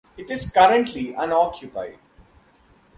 It is currently unoccupied.